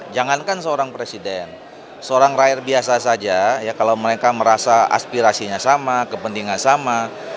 jangankan seorang presiden seorang rakyat biasa saja ya kalau mereka merasa aspirasinya sama kepentingan sama